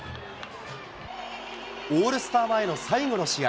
オールスター前の最後の試合。